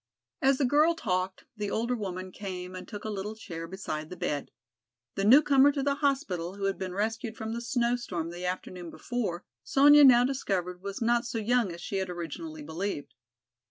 As the girl talked, the older woman came and took a little chair beside the bed. The newcomer to the hospital, who had been rescued from the snow storm the afternoon before, Sonya now discovered was not so young as she had originally believed.